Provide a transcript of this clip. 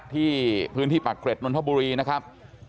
ที่พื้นที่ปากเกร็ดนนทบุรีนะครับ